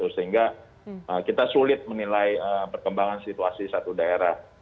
sehingga kita sulit menilai perkembangan situasi satu daerah